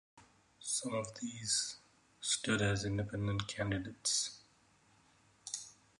Some of these stood as independent candidates.